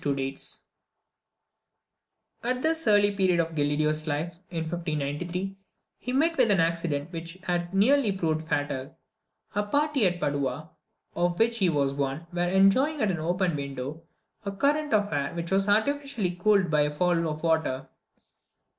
See Opere di Galileo, tom. vii. p. 427. At this early period of Galileo's life, in the year 1593, he met with an accident which had nearly proved fatal. A party at Padua, of which he was one, were enjoying, at an open window, a current of air, which was artificially cooled by a fall of water.